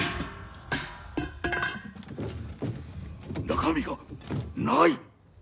中身がない！？